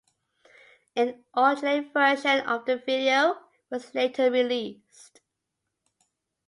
An alternate version of the video was later released.